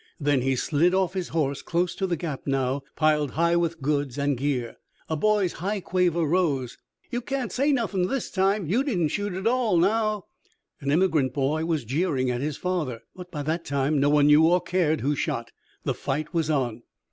Then he slid off his horse close to the gap, now piled high with goods and gear. A boy's high quaver rose. "You can't say nothing this time! You didn't shoot at all now!" An emigrant boy was jeering at his father. But by that time no one knew or cared who shot. The fight was on.